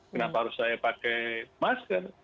kenapa harus saya pakai masker